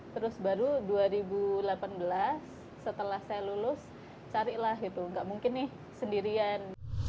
terus baru dua ribu delapan belas setelah saya lulus carilah gitu nggak mungkin nih sendirian